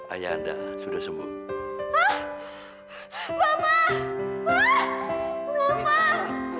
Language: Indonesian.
ayah anda sudah sembuh